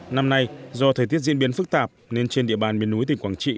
năm nay do thời tiết diễn biến phức tạp nên trên địa bàn miền núi tỉnh quảng trị